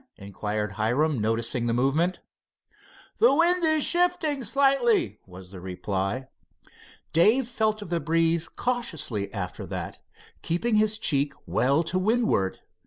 inquired Hiram, noticing the movement. "The wind is shifting slightly," was the reply. Dave felt of the breeze cautiously after that, keeping his cheek well to windward.